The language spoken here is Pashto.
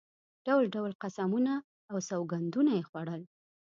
ډول ډول قسمونه او سوګندونه یې خوړل.